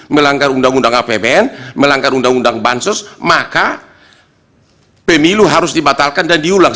melanggar undang undang apbn melanggar undang undang bansos maka pemilu harus dibatalkan dan diulang